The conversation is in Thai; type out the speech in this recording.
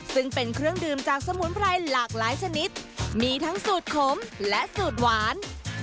ซึ่งเป็นเครื่องดื่มจากสมุนไพรหลากหลายชนิดมีทั้งสูตรขมและสูตรหวาน